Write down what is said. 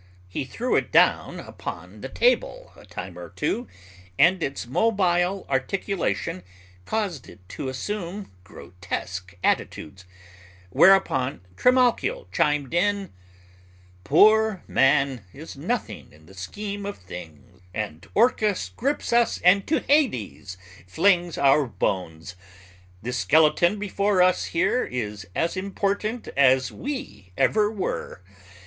He threw it down upon the table a time or two, and its mobile articulation caused it to assume grotesque attitudes, whereupon Trimalchio chimed in: "Poor man is nothing in the scheme of things And Orcus grips us and to Hades flings Our bones! This skeleton before us here Is as important as we ever were!